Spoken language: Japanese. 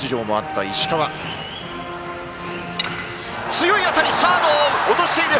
強い当たりサード落としている！